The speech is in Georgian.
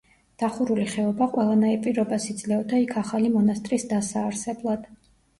დახურული ხეობა ყველანაირ პირობას იძლეოდა იქ ახალი მონასტრის დასაარსებლად.